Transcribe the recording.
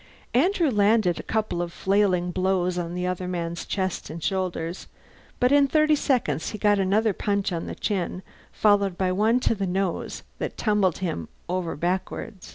Andrew landed a couple of flailing blows on the other man's chest and shoulders, but in thirty seconds he got another punch on the chin followed by one on the nose that tumbled him over backward.